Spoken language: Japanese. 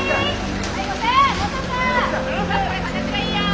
これ形がいいよ。